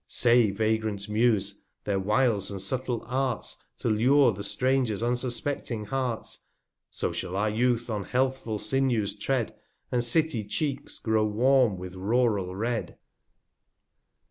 Say, vagrant Muse, their Wiles and subtil Arts, To lure the Stranger's unsuspecting Hearts; So shall our Youth on healthful Sinews tread, 265 And City Cheeks grow warm with rural Red.